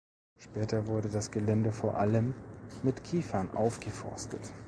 Später wurde das Gelände vor allem mit Kiefern aufgeforstet.